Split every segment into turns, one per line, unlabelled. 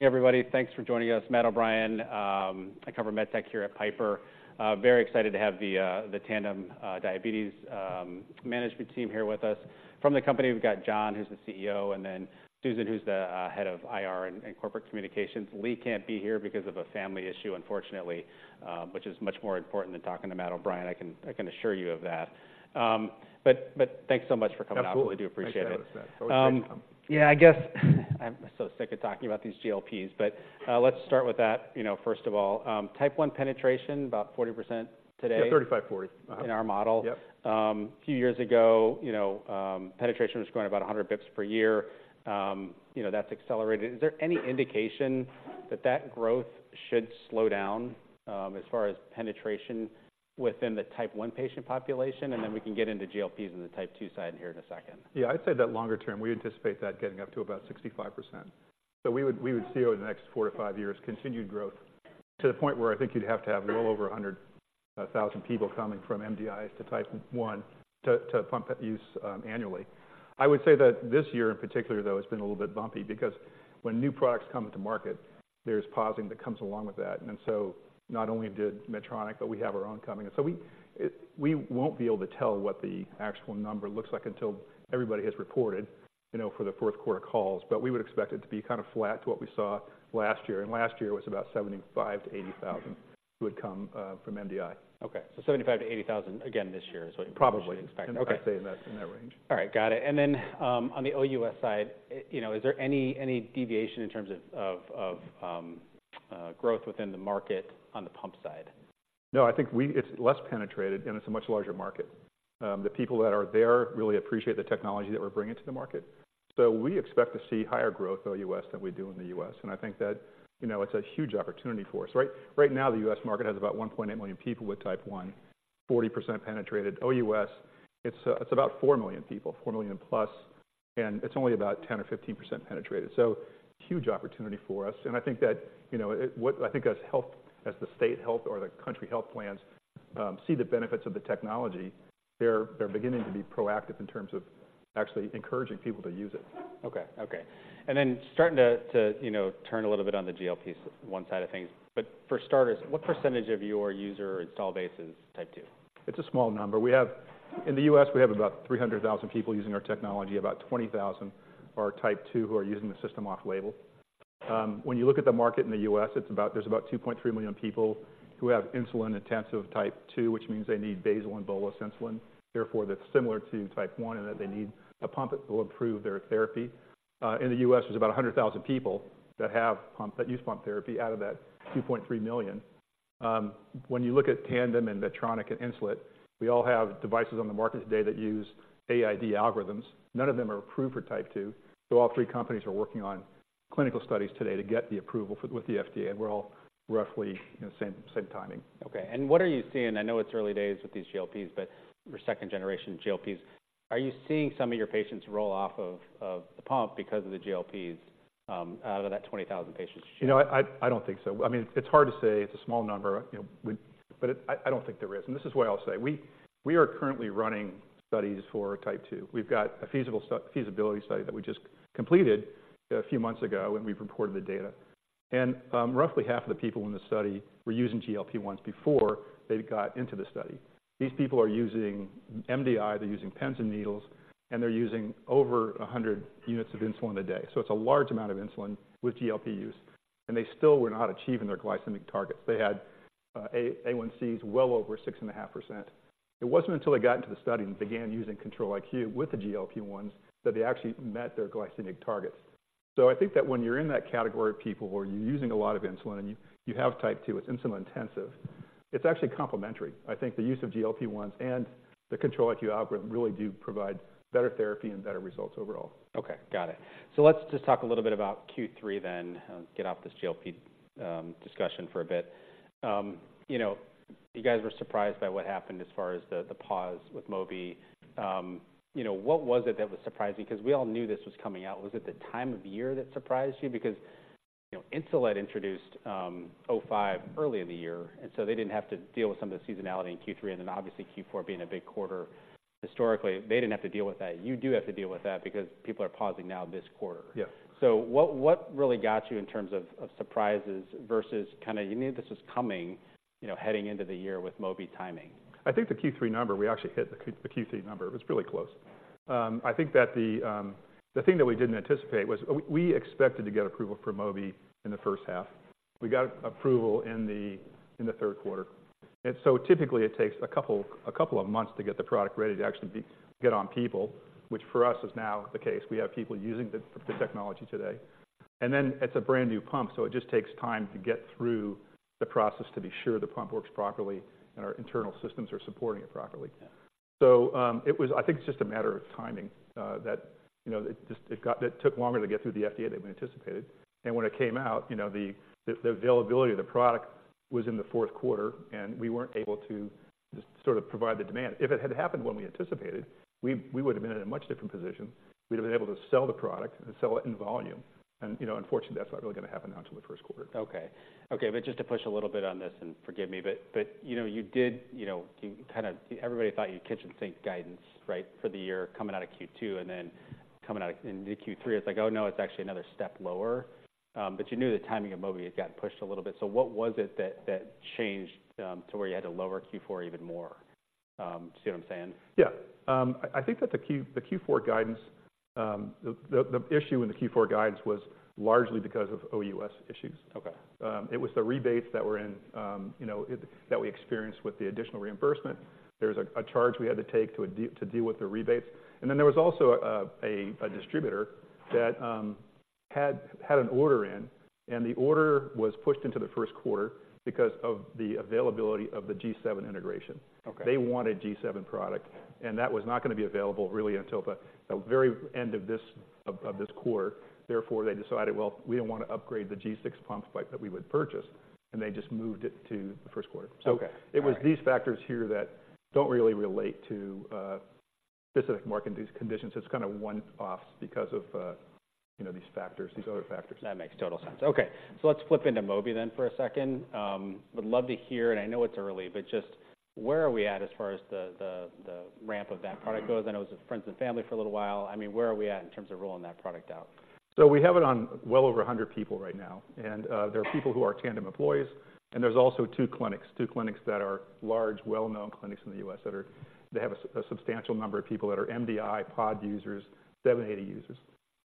Hey, everybody. Thanks for joining us. Matt O'Brien, I cover MedTech here at Piper. Very excited to have the Tandem Diabetes Management team here with us. From the company, we've got John, who's the CEO, and then Susan, who's the head of IR and Corporate Communications. Leigh can't be here because of a family issue, unfortunately, which is much more important than talking to Matt O'Brien. I can assure you of that. But thanks so much for coming out.
Absolutely.
We do appreciate it.
Thanks for having us. Always happy to come.
Yeah, I guess, I'm so sick of talking about these GLPs, but, let's start with that, you know, first of all. Type 1 penetration, about 40% today?
Yeah, 35, 40. Uh-huh.
In our model.
Yep.
A few years ago, you know, penetration was growing about 100 basis points per year. You know, that's accelerated. Is there any indication that that growth should slow down, as far as penetration within the Type 1 patient population? And then we can get into GLPs and the Type 2 side here in a second.
Yeah. I'd say that longer term, we anticipate that getting up to about 65%. So we would see over the next 4-5 years, continued growth to the point where I think you'd have to have well over 100,000 people coming from MDIs to Type 1 to pump use annually. I would say that this year, in particular, though, has been a little bit bumpy, because when new products come into market, there's pausing that comes along with that. And so not only did Medtronic, but we have our own coming. So we won't be able to tell what the actual number looks like until everybody has reported, you know, for the fourth quarter calls. But we would expect it to be kind of flat to what we saw last year, and last year was about 75,000-80,000 would come from MDI.
Okay. So 75,000-80,000 again this year is what-
Probably.
You expect.
I'd say in that, in that range.
All right. Got it. And then, on the OUS side, you know, is there any deviation in terms of growth within the market on the pump side?
No. I think we—it's less penetrated, and it's a much larger market. The people that are there really appreciate the technology that we're bringing to the market. So we expect to see higher growth OUS than we do in the US, and I think that, you know, it's a huge opportunity for us, right? Right now, the US market has about 1,800,000 people with Type 1, 40% penetrated. OUS, it's about 4,000,000 people, 4,000,000 plus, and it's only about 10 or 15% penetrated. So huge opportunity for us, and I think that, you know, I think as health, as the state health or the country health plans see the benefits of the technology, they're beginning to be proactive in terms of actually encouraging people to use it.
Okay. Okay. And then starting to you know turn a little bit on the GLP-1 side of things, but for starters, what percentage of your user installed base is Type 2?
It's a small number. We have in the U.S., we have about 300,000 people using our technology. About 20,000 are Type 2, who are using the system off-label. When you look at the market in the U.S., it's about. There's about 2,300,000 people who have insulin-intensive Type 2, which means they need basal and bolus insulin. Therefore, that's similar to Type 1, and that they need a pump that will improve their therapy. In the U.S., there's about 100,000 people that use pump therapy out of that 2,300,000. When you look at Tandem and Medtronic and Insulet, we all have devices on the market today that use AID algorithms. None of them are approved for Type 2, so all three companies are working on clinical studies today to get the approval with the FDA, and we're all roughly, you know, same timing.
Okay. What are you seeing? I know it's early days with these GLPs, but for second-generation GLPs, are you seeing some of your patients roll off of the pump because of the GLPs out of that 20,000 patients?
You know, I don't think so. I mean, it's hard to say. It's a small number, you know, but I don't think there is, and this is why I'll say: We are currently running studies for Type 2. We've got a feasibility study that we just completed a few months ago, and we've reported the data. And roughly half of the people in the study were using GLP-1s before they got into the study. These people are using MDI, they're using pens and needles, and they're using over 100 units of insulin a day. So it's a large amount of insulin with GLP use, and they still were not achieving their glycemic targets. They had A1Cs well over 6.5%. It wasn't until they got into the study and began using Control-IQ with the GLP-1s, that they actually met their glycemic targets. So I think that when you're in that category of people, where you're using a lot of insulin and you have Type 2, it's insulin intensive, it's actually complementary. I think the use of GLP-1s and the Control-IQ algorithm really do provide better therapy and better results overall.
Okay, got it. So let's just talk a little bit about Q3 then and get off this GLP discussion for a bit. You know, you guys were surprised by what happened as far as the pause with Mobi. You know, what was it that was surprising? Because we all knew this was coming out. Was it the time of year that surprised you? Because, you know, Insulet introduced O5 early in the year, and so they didn't have to deal with some of the seasonality in Q3, and then obviously, Q4 being a big quarter. Historically, they didn't have to deal with that. You do have to deal with that because people are pausing now this quarter.
Yes.
So what really got you in terms of surprises versus kind of... You knew this was coming, you know, heading into the year with Mobi timing.
I think the Q3 number, we actually hit the Q, the Q3 number. It was really close. I think that the thing that we didn't anticipate was, we expected to get approval for Mobi in the first half. We got approval in the third quarter. And so typically, it takes a couple of months to get the product ready to actually get on people, which for us is now the case. We have people using the technology today. And then it's a brand-new pump, so it just takes time to get through the process to be sure the pump works properly, and our internal systems are supporting it properly.
Yeah.
So, I think it's just a matter of timing, that, you know, it just, it took longer to get through the FDA than we anticipated. And when it came out, you know, the availability of the product was in the fourth quarter, and we weren't able to just sort of provide the demand. If it had happened when we anticipated, we would have been in a much different position. We'd have been able to sell the product and sell it in volume. And, you know, unfortunately, that's not really going to happen now until the first quarter.
Okay. Okay, but just to push a little bit on this, and forgive me, but, you know, you kind of, everybody thought you kitchen sink guidance, right? For the year coming out of Q2, and then coming out in Q3, it's like, oh, no, it's actually another step lower. But you knew the timing of Mobi had gotten pushed a little bit. So what was it that changed to where you had to lower Q4 even more? Do you see what I'm saying?
Yeah. I think that the Q4 guidance, the issue in the Q4 guidance was largely because of OUS issues.
Okay.
It was the rebates that were in, you know, that we experienced with the additional reimbursement. There was a charge we had to take to deal with the rebates. And then there was also a distributor that had an order in, and the order was pushed into the first quarter because of the availability of the G7 integration.
Okay.
They wanted G7 product, and that was not gonna be available really until the very end of this quarter. Therefore, they decided, "Well, we don't wanna upgrade the G6 pump that we would purchase," and they just moved it to the first quarter.
Okay. All right.
So it was these factors here that don't really relate to specific market conditions. It's kind of one-offs because of, you know, these factors, these other factors.
That makes total sense. Okay, so let's flip into Mobi then for a second. Would love to hear, and I know it's early, but just where are we at as far as the ramp of that product goes? I know it's friends and family for a little while. I mean, where are we at in terms of rolling that product out?
So we have it on well over 100 people right now, and there are people who are Tandem employees, and there's also two clinics, two clinics that are large, well-known clinics in the U.S. that are. They have a substantial number of people that are MDI pod users, 780 users.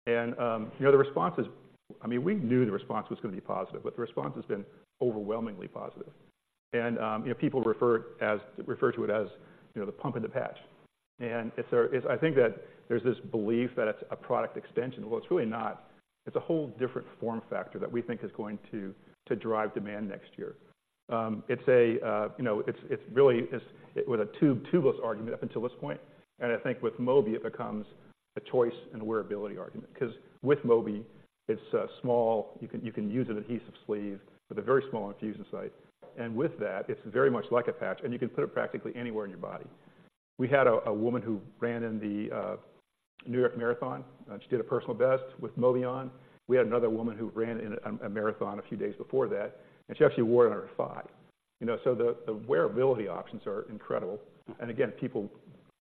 You know, the response is... I mean, we knew the response was gonna be positive, but the response has been overwhelmingly positive. You know, people refer to it as, you know, the pump and the patch. And it's a. It's. I think that there's this belief that it's a product extension. Well, it's really not. It's a whole different form factor that we think is going to to drive demand next year. It's a, you know, it's really, with a tube, tubeless argument up until this point, and I think with Mobi, it becomes a choice and wearability argument. 'Cause with Mobi, it's small. You can use an adhesive sleeve with a very small infusion site, and with that, it's very much like a patch, and you can put it practically anywhere in your body. We had a woman who ran in the New York Marathon, and she did a personal best with Mobi on. We had another woman who ran in a marathon a few days before that, and she actually wore it on her thigh. You know, so the wearability options are incredible.
Mm-hmm.
And again, people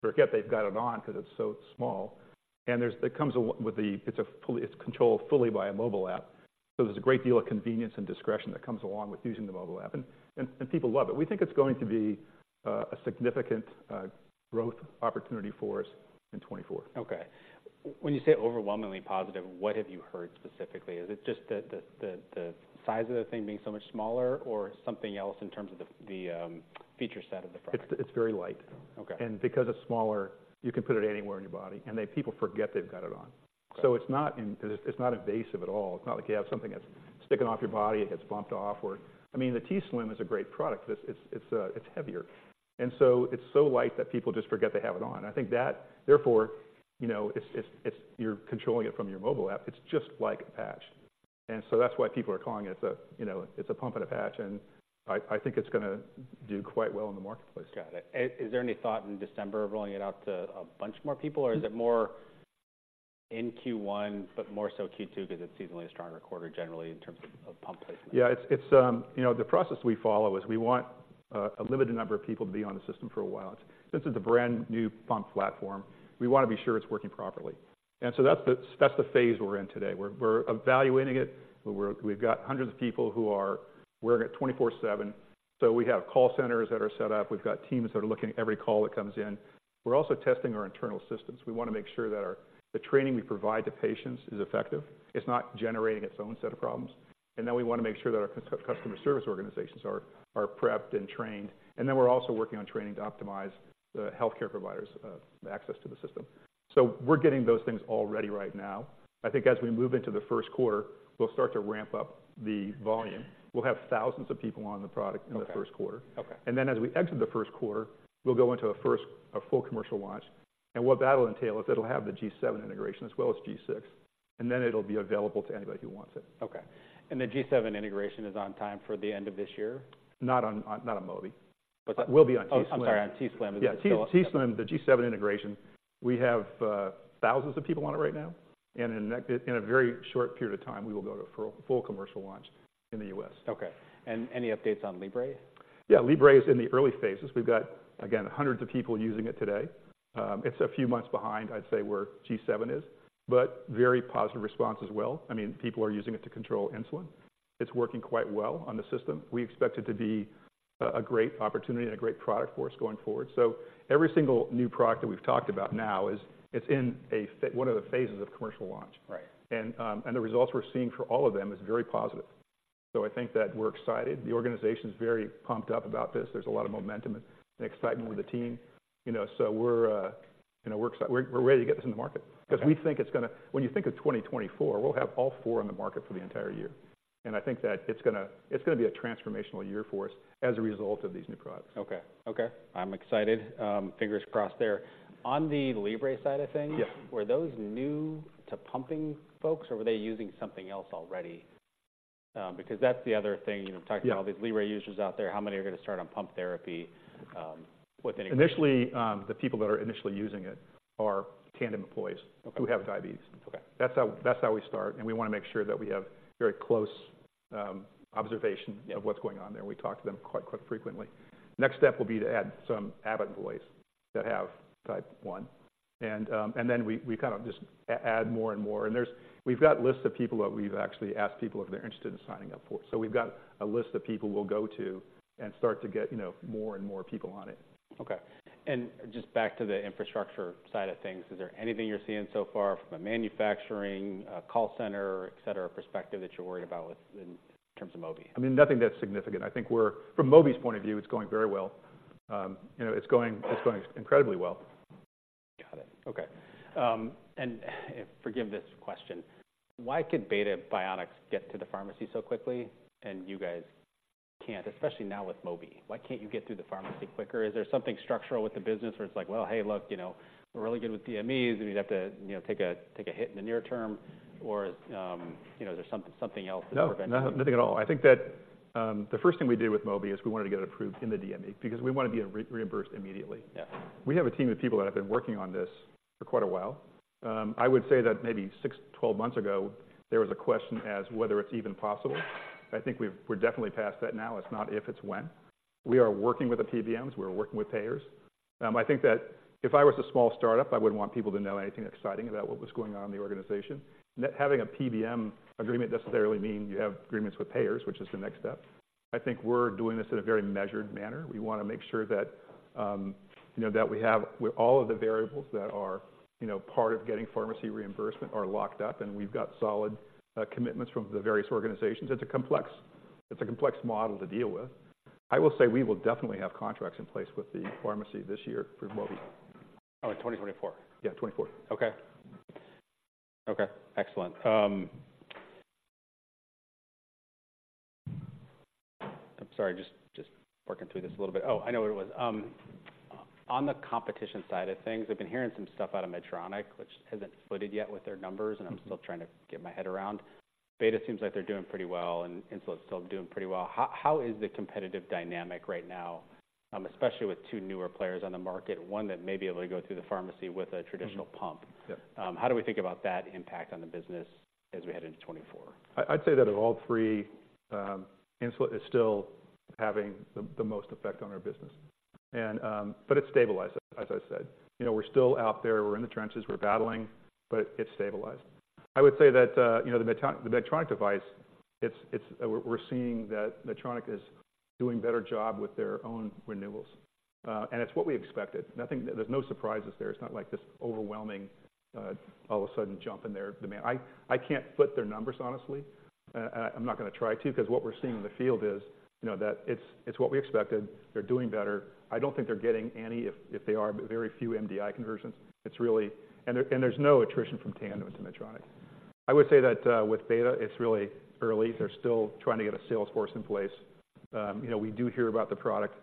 forget they've got it on 'cause it's so small. And it comes with the... It's controlled fully by a mobile app, so there's a great deal of convenience and discretion that comes along with using the mobile app, and, and, and people love it. We think it's going to be a significant growth opportunity for us in 2024.
Okay. When you say overwhelmingly positive, what have you heard specifically? Is it just the size of the thing being so much smaller or something else in terms of the feature set of the product?
It's very light.
Okay.
Because it's smaller, you can put it anywhere in your body, and people forget they've got it on.
Okay.
So it's not invasive at all. It's not like you have something that's sticking off your body, it gets bumped off or... I mean, the t:slim is a great product, but it's heavier. And so it's so light that people just forget they have it on. I think that therefore, you know, you're controlling it from your mobile app. It's just like a patch, and so that's why people are calling it a, you know, it's a pump and a patch, and I think it's gonna do quite well in the marketplace.
Got it. Is there any thought in December of rolling it out to a bunch more people?
Mm.
Or is it more in Q1, but more so Q2 because it's seasonally a stronger quarter generally in terms of pump placement?
Yeah, it's, you know, the process we follow is we want a limited number of people to be on the system for a while. Since it's a brand-new pump platform, we wanna be sure it's working properly, and so that's the phase we're in today. We're evaluating it. We've got hundreds of people who are wearing it 24/7, so we have call centers that are set up. We've got teams that are looking at every call that comes in. We're also testing our internal systems. We wanna make sure that the training we provide to patients is effective, it's not generating its own set of problems. And then we wanna make sure that our customer service organizations are prepped and trained. And then we're also working on training to optimize the healthcare providers' access to the system. We're getting those things all ready right now. I think as we move into the first quarter, we'll start to ramp up the volume. We'll have thousands of people on the product-
Okay.
in the first quarter.
Okay.
And then as we exit the first quarter, we'll go into a first, a full commercial launch, and what that'll entail is it'll have the G7 integration as well as G6, and then it'll be available to anybody who wants it.
Okay. And the G7 integration is on time for the end of this year?
Not on, on, not on Mobi.
Okay.
It will be on t:slim.
Oh, I'm sorry, on t:slim.
Yeah.
So-
t:slim, the G7 integration, we have thousands of people on it right now, and in the next, in a very short period of time, we will go to a full, full commercial launch in the US.
Okay. Any updates on Libre?
Yeah, Libre is in the early phases. We've got, again, hundreds of people using it today. It's a few months behind, I'd say, where G7 is, but very positive response as well. I mean, people are using it to control insulin. It's working quite well on the system. We expect it to be a great opportunity and a great product for us going forward. So every single new product that we've talked about now is, it's in one of the phases of commercial launch.
Right.
The results we're seeing for all of them is very positive. So I think that we're excited. The organization's very pumped up about this. There's a lot of momentum and excitement with the team. You know, so we're ready to get this in the market.
Okay.
'Cause we think it's gonna... When you think of 2024, we'll have all four on the market for the entire year, and I think that it's gonna, it's gonna be a transformational year for us as a result of these new products.
Okay. Okay, I'm excited. Fingers crossed there. On the Libre side of things-
Yeah...
were those new to pumping folks, or were they using something else already? Because that's the other thing, you know, talking-
Yeah...
to all these Libre users out there, how many are gonna start on pump therapy with any-
Initially, the people that are initially using it are Tandem employees-
Okay...
who have diabetes. That's how, that's how we start, and we wanna make sure that we have very close observation of what's going on there. We talk to them quite, quite frequently. Next step will be to add some Abbott employees that have Type 1, and then we kind of just add more and more. And there's. We've got lists of people that we've actually asked people if they're interested in signing up for. So we've got a list of people we'll go to and start to get, you know, more and more people on it.
Okay. And just back to the infrastructure side of things, is there anything you're seeing so far from a manufacturing, a call center, et cetera, perspective, that you're worried about with, in terms of Mobi?
I mean, nothing that's significant. From Mobi's point of view, it's going very well. You know, it's going, it's going incredibly well.
Got it. Okay. And, forgive this question, why could Beta Bionics get to the pharmacy so quickly and you guys can't, especially now with Mobi? Why can't you get through the pharmacy quicker? Is there something structural with the business where it's like, "Well, hey, look, you know, we're really good with DMEs, and we'd have to, you know, take a hit in the near term," or, you know, there's something else that's preventing-
No, nothing at all. I think that, the first thing we did with Mobi is we wanted to get it approved in the DME because we wanted to be reimbursed immediately.
Yeah.
We have a team of people that have been working on this for quite a while. I would say that maybe 6-12 months ago, there was a question as whether it's even possible. I think we're definitely past that now. It's not if, it's when. We are working with the PBMs, we're working with payers. I think that if I was a small startup, I wouldn't want people to know anything exciting about what was going on in the organization. Having a PBM agreement doesn't necessarily mean you have agreements with payers, which is the next step. I think we're doing this in a very measured manner. We wanna make sure that, you know, that we have... With all of the variables that are, you know, part of getting pharmacy reimbursement are locked up, and we've got solid commitments from the various organizations. It's a complex model to deal with. I will say we will definitely have contracts in place with the pharmacy this year for Mobi.
Oh, in 2024?
Yeah, twenty-four.
Okay. Okay, excellent. I'm sorry, just, just working through this a little bit. Oh, I know what it was. On the competition side of things, I've been hearing some stuff out of Medtronic, which hasn't footed yet with their numbers, and I'm still trying to get my head around. Beta seems like they're doing pretty well, and Insulet's still doing pretty well. How, how is the competitive dynamic right now, especially with two newer players on the market, one that may be able to go through the pharmacy with a traditional pump?
Mm-hmm. Yeah.
How do we think about that impact on the business as we head into 2024?
I'd say that of all three, Insulet is still having the most effect on our business. But it's stabilized, as I said. You know, we're still out there, we're in the trenches, we're battling, but it's stabilized. I would say that, you know, the Medtronic device, it's-- we're seeing that Medtronic is doing better job with their own renewals, and it's what we expected. There's no surprises there. It's not like this overwhelming, all of a sudden jump in their demand. I can't foot their numbers, honestly. I'm not gonna try to, 'cause what we're seeing in the field is, you know, that it's what we expected. They're doing better. I don't think they're getting any, if they are, but very few MDI conversions. It's really... There's no attrition from Tandem to Medtronic. I would say that with Beta, it's really early. They're still trying to get a sales force in place. You know, we do hear about the product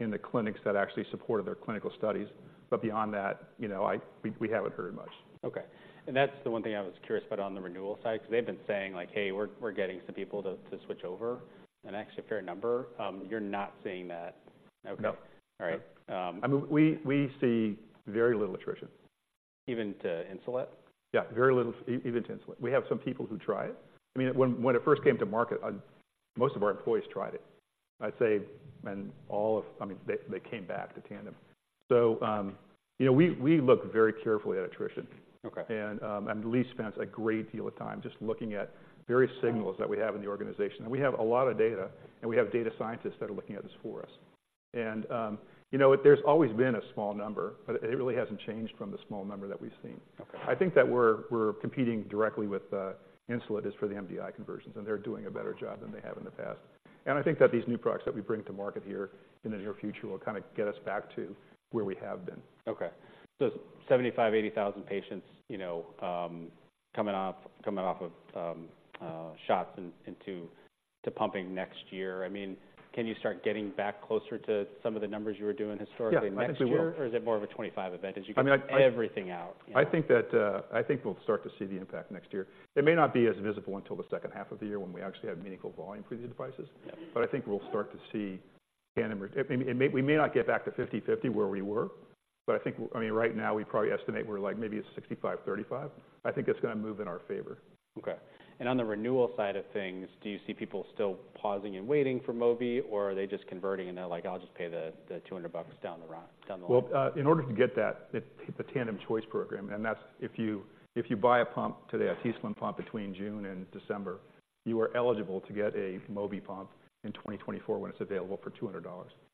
in the clinics that actually supported their clinical studies, but beyond that, you know, we haven't heard much.
Okay. And that's the one thing I was curious about on the renewal side, because they've been saying, like, "Hey, we're getting some people to switch over, and actually a fair number." You're not seeing that? Okay.
No.
All right,
I mean, we see very little attrition.
Even to Insulet?
Yeah, very little, even to Insulet. We have some people who try it. I mean, when it first came to market, most of our employees tried it. I'd say... I mean, they came back to Tandem. So, you know, we look very carefully at attrition.
Okay.
Leigh spends a great deal of time just looking at various signals that we have in the organization. We have a lot of data, and we have data scientists that are looking at this for us. You know, there's always been a small number, but it really hasn't changed from the small number that we've seen.
Okay.
I think that we're competing directly with Insulet for the MDI conversions, and they're doing a better job than they have in the past. I think that these new products that we bring to market here in the near future will kind of get us back to where we have been.
Okay. So 75,000-80,000 patients, you know, coming off of shots into pumping next year. I mean, can you start getting back closer to some of the numbers you were doing historically?
Yeah, I think we will....
next year, or is it more of a 25 event as you get-
I mean,
- everything out, you know?
I think that, I think we'll start to see the impact next year. It may not be as visible until the second half of the year when we actually have meaningful volume for these devices.
Yeah.
But I think we'll start to see Tandem... It may, we may not get back to 50/50 where we were, but I think, I mean, right now, we probably estimate we're like maybe at 65/35. I think it's gonna move in our favor.
Okay. And on the renewal side of things, do you see people still pausing and waiting for Mobi, or are they just converting and they're like: "I'll just pay the $200 bucks down the line, down the line?
Well, in order to get that, it's the Tandem Choice Program, and that's if you, if you buy a pump today, a t:slim pump between June and December, you are eligible to get a Mobi pump in 2024 when it's available for $200.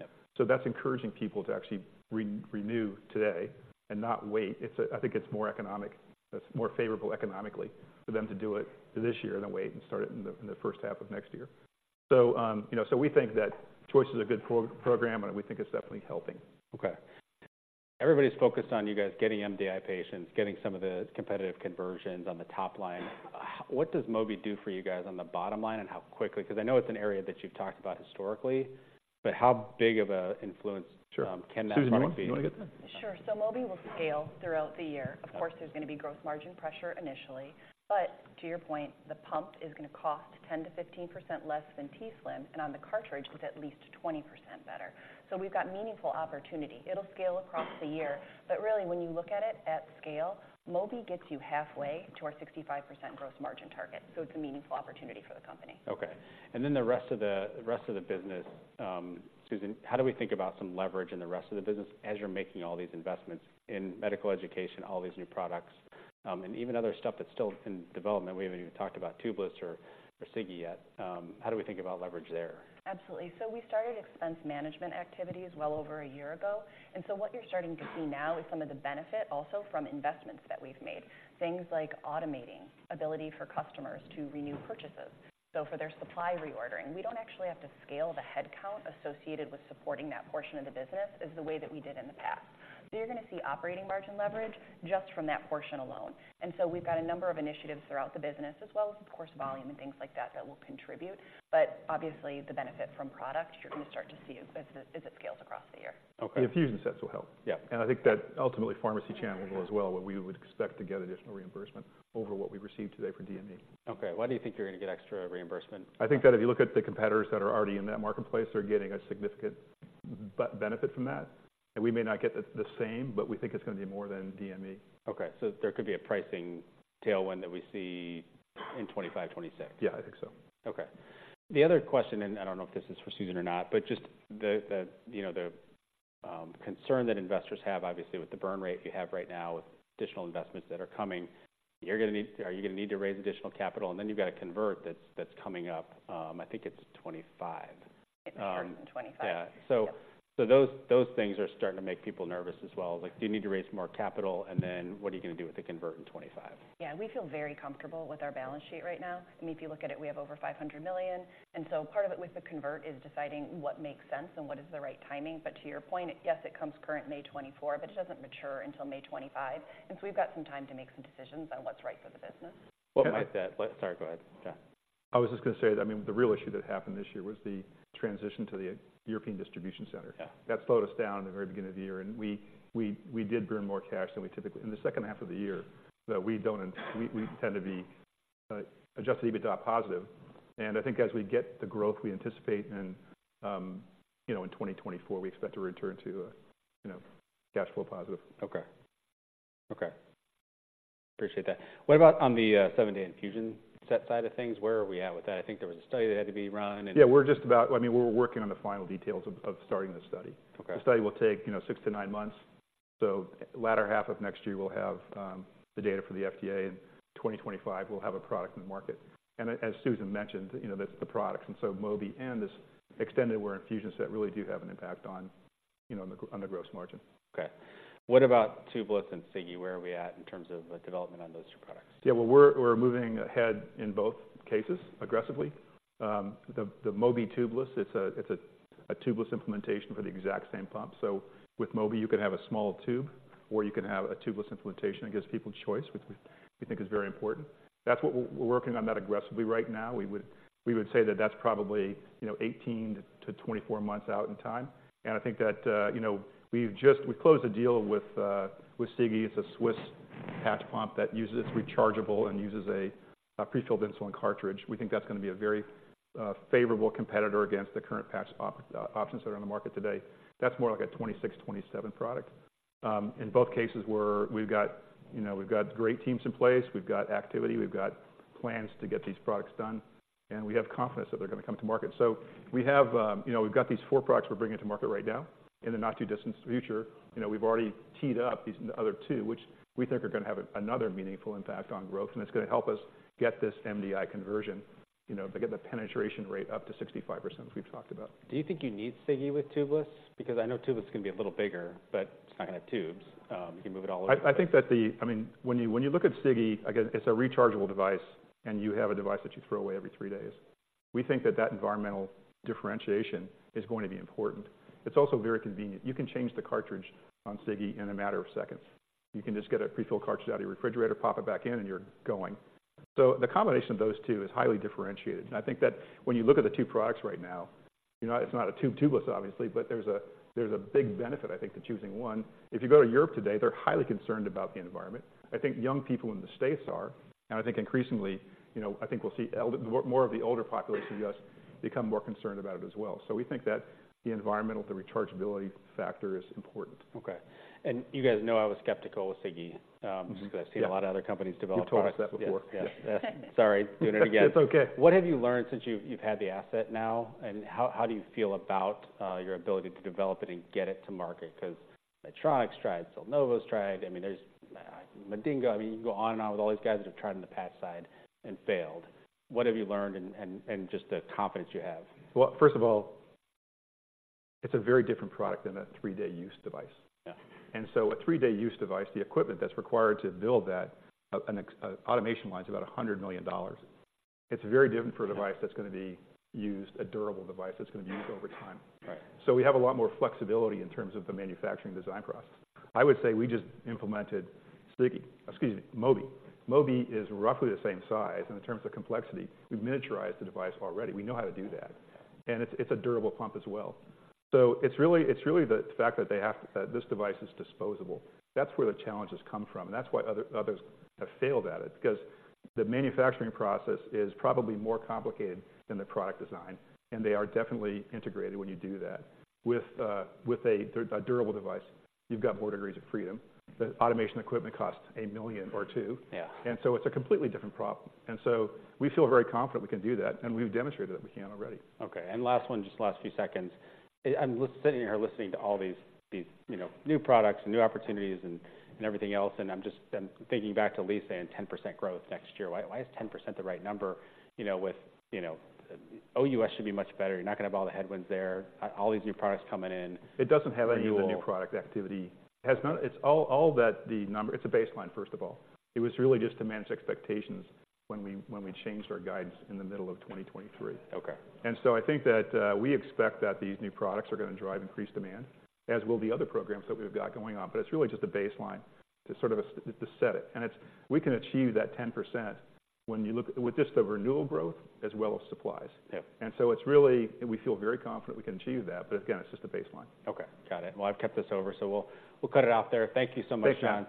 Yeah.
So that's encouraging people to actually renew today and not wait. It's. I think it's more economic, it's more favorable economically for them to do it this year than wait and start it in the first half of next year. So, you know, so we think that choice is a good program, and we think it's definitely helping.
Okay. Everybody's focused on you guys getting MDI patients, getting some of the competitive conversions on the top line. What does Mobi do for you guys on the bottom line, and how quickly? 'Cause I know it's an area that you've talked about historically, but how big of a influence-
Sure...
can that product be?
Susan, you wanna get that?
Sure. So Mobi will scale throughout the year. Of course, there's gonna be gross margin pressure initially, but to your point, the pump is gonna cost 10%-15% less than t:slim, and on the cartridge, it's at least 20% better. So we've got meaningful opportunity. It'll scale across the year, but really, when you look at it at scale, Mobi gets you halfway to our 65% gross margin target, so it's a meaningful opportunity for the company.
Okay. And then the rest of the business, Susan, how do we think about some leverage in the rest of the business as you're making all these investments in medical education, all these new products? And even other stuff that's still in development. We haven't even talked about tubeless or Sigi yet. How do we think about leverage there?
Absolutely. So we started expense management activities well over a year ago, and so what you're starting to see now is some of the benefit also from investments that we've made, things like automating ability for customers to renew purchases. So for their supply reordering, we don't actually have to scale the headcount associated with supporting that portion of the business as the way that we did in the past. So you're gonna see operating margin leverage just from that portion alone. And so we've got a number of initiatives throughout the business, as well as, of course, volume and things like that, that will contribute. But obviously, the benefit from product, you're gonna see as it, as it scales across the year.
Okay.
The infusion sets will help.
Yeah.
I think that ultimately pharmacy channel will as well, where we would expect to get additional reimbursement over what we receive today for DME.
Okay, why do you think you're gonna get extra reimbursement?
I think that if you look at the competitors that are already in that marketplace, they're getting a significant benefit from that. We may not get the same, but we think it's gonna be more than DME.
Okay, there could be a pricing tailwind that we see in 2025, 2026?
Yeah, I think so.
Okay. The other question, and I don't know if this is for Susan or not, but just the, you know, the concern that investors have, obviously, with the burn rate you have right now, with additional investments that are coming, you're gonna need—are you gonna need to raise additional capital? And then you've got a convert that's coming up, I think it's 2025.
It's current in 2025.
Um, yeah.
Yeah.
So those things are starting to make people nervous as well. Like, do you need to raise more capital, and then what are you gonna do with the convert in 2025?
Yeah, we feel very comfortable with our balance sheet right now. I mean, if you look at it, we have over $500,000,000, and so part of it with the convert is deciding what makes sense and what is the right timing. But to your point, yes, it comes current May 2024, but it doesn't mature until May 2025, and so we've got some time to make some decisions on what's right for the business.
Well, like that... Sorry, go ahead, John.
I was just gonna say, I mean, the real issue that happened this year was the transition to the European distribution center.
Yeah.
That slowed us down in the very beginning of the year, and we did burn more cash than we typically. In the second half of the year, though, we don't, we tend to be adjusted EBITDA positive. And I think as we get the growth we anticipate in, you know, in 2024, we expect to return to, you know, cash flow positive.
Okay. Okay, appreciate that. What about on the seven-day infusion set side of things? Where are we at with that? I think there was a study that had to be run and-
Yeah, we're just about... I mean, we're working on the final details of starting the study.
Okay.
The study will take, you know, 6-9 months. So latter half of next year, we'll have the data for the FDA. In 2025, we'll have a product in the market. And as, as Susan mentioned, you know, the, the products, and so Mobi and this extended wear infusion set really do have an impact on, you know, on the, on the gross margin.
Okay. What about tubeless and Sigi? Where are we at in terms of the development on those two products?
Yeah, well, we're, we're moving ahead in both cases aggressively. The Mobi tubeless, it's a tubeless implementation for the exact same pump. So with Mobi, you can have a small tube or you can have a tubeless implementation. It gives people choice, which we think is very important. That's what we're working on that aggressively right now. We would say that that's probably, you know, 18-24 months out in time. And I think that, you know, we've just closed a deal with Sigi. It's a Swiss patch pump that uses. It's rechargeable and uses a prefilled insulin cartridge. We think that's gonna be a very favorable competitor against the current patch options that are on the market today. That's more like a 26, 27 product. In both cases, we're, you know, we've got great teams in place, we've got activity, we've got plans to get these products done, and we have confidence that they're gonna come to market. So we have, you know, we've got these four products we're bringing to market right now. In the not-too-distant future, you know, we've already teed up these other two, which we think are gonna have another meaningful impact on growth, and it's gonna help us get this MDI conversion, you know, to get the penetration rate up to 65%, as we've talked about.
Do you think you need Sigi with tubeless? Because I know tubeless is gonna be a little bigger, but it's not gonna have tubes. You can move it all over.
I think that, I mean, when you look at Sigi, again, it's a rechargeable device, and you have a device that you throw away every three days. We think that that environmental differentiation is going to be important. It's also very convenient. You can change the cartridge on Sigi in a matter of seconds. You can just get a prefilled cartridge out of your refrigerator, pop it back in, and you're going. So the combination of those two is highly differentiated, and I think that when you look at the two products right now, it's not tubeless, obviously, but there's a big benefit, I think, to choosing one. If you go to Europe today, they're highly concerned about the environment. I think young people in the States are, and I think increasingly, you know, I think we'll see more of the older population in the U.S. become more concerned about it as well. So we think that the environmental, the rechargeability factor is important.
Okay. And you guys know I was skeptical with Sigi,
Mm-hmm. Yeah...
because I've seen a lot of other companies develop products.
You've told us that before.
Yes. Yeah. Sorry, doing it again.
It's okay.
What have you learned since you've had the asset now, and how do you feel about your ability to develop it and get it to market? Because Medtronic's tried, Cellnovo's tried, I mean, there's Medingo. I mean, you can go on and on with all these guys that have tried on the patch side and failed. What have you learned and just the confidence you have?
Well, first of all, it's a very different product than a three-day use device.
Yeah.
So a three-day use device, the equipment that's required to build that, and automation-wise, is about $100,000,000. It's very different for a device that's gonna be used, a durable device that's gonna be used over time.
Right.
So we have a lot more flexibility in terms of the manufacturing design process. I would say we just implemented Sigi—excuse me, Mobi. Mobi is roughly the same size in terms of complexity. We've miniaturized the device already. We know how to do that.
Yeah.
It's a durable pump as well. It's really the fact that they have that this device is disposable. That's where the challenges come from, and that's why others have failed at it. Because the manufacturing process is probably more complicated than the product design, and they are definitely integrated when you do that. With a durable device, you've got more degrees of freedom. The automation equipment costs $1,000,000 or $2,000,000.
Yeah.
It's a completely different problem. We feel very confident we can do that, and we've demonstrated that we can already.
Okay, and last one, just last few seconds. I'm sitting here listening to all these, these, you know, new products and new opportunities and, and everything else, and I'm just, I'm thinking back to Leigh and 10% growth next year. Why, why is 10% the right number, you know, with, you know, OUS should be much better. You're not gonna have all the headwinds there, all these new products coming in.
It doesn't have any-
Renewal new product activity.
It's all that the number... It's a baseline, first of all. It was really just to manage expectations when we changed our guides in the middle of 2023.
Okay.
I think that we expect that these new products are gonna drive increased demand, as will the other programs that we've got going on. But it's really just a baseline to sort of set it. And it's, we can achieve that 10% when you look with just the renewal growth as well as supplies.
Yeah.
And we feel very confident we can achieve that, but again, it's just a baseline.
Okay. Got it. Well, I've kept this over, so we'll, we'll cut it off there. Thank you so much, John.